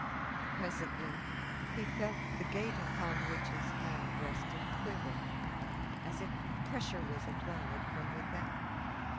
Presently he felt the gate upon which his hand rested quiver, as if pressure was applied from without.